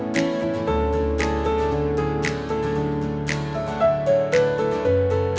hẹn gặp lại